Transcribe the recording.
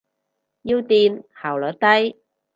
要電，效率低。